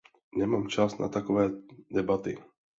Nemám čas na takové debaty.